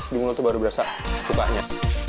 di mulut itu baru berasa sukanya